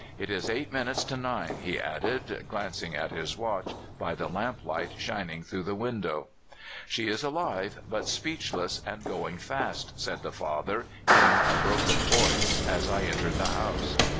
'*It is eight minutes to nine," he added, glancing at his watch by the lamplight shining through a window. y She is alive, but speechless, and going fast," said the father in a broken voice, as I entered the house.